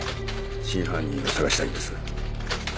真犯人を捜したいんです。